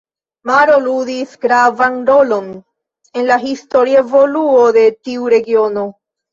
Maro ludis gravan rolon en la historia evoluo de tiu regiono.